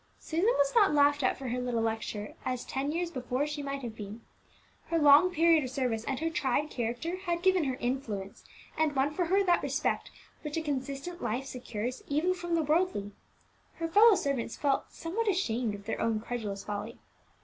Susan was not laughed at for her little lecture as ten years before she might have been. Her long period of service and her tried character had given her influence, and won for her that respect which a consistent life secures even from the worldly. Her fellow servants felt somewhat ashamed of their own credulous folly.